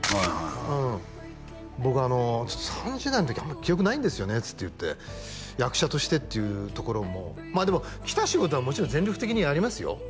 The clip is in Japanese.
うん僕３０代の時あんま記憶ないんですよねって言って役者としてっていうところもでも来た仕事はもちろん全力的にやりますよ